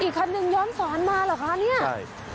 คันหนึ่งย้อนสอนมาเหรอคะเนี่ยใช่